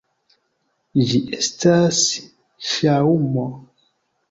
Ĝi estas ŝaŭmo.